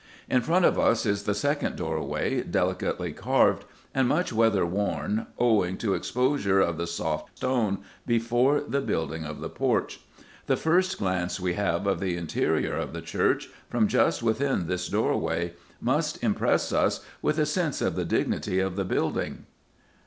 In front of us is the second doorway, delicately carved, and much weather worn owing to exposure of the soft stone before the building of the porch. The first glance we have of the interior of the church, from just within this doorway, must impress us with a sense of the dignity of the building.